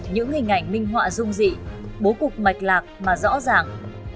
những hình ảnh minh họa rung dị bố cục mạch lạc mà rõ ràng